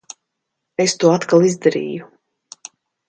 Es to atkal izdarīju.